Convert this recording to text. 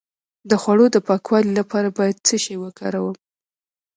د خوړو د پاکوالي لپاره باید څه شی وکاروم؟